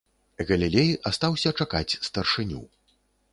Галілей астаўся чакаць старшыню.